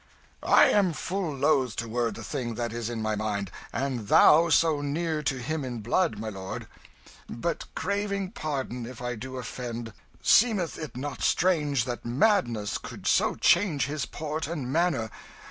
"I am full loth to word the thing that is in my mind, and thou so near to him in blood, my lord. But craving pardon if I do offend, seemeth it not strange that madness could so change his port and manner?